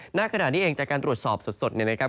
หน้าขณะนี้เองจากการตรวจสอบสดเนี่ยนะครับ